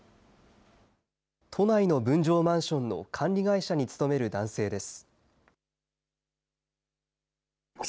都内の分譲マンションの管理会社に勤める男性です。